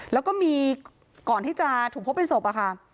แล้วก็มีก่อนที่จะถูกพบเป็นศพอะค่ะ